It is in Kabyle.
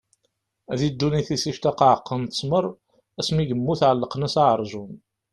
Di ddunit-is ictaq aɛeqqa n ttmer; asmi i yemmut ɛellqen-as aɛerjun.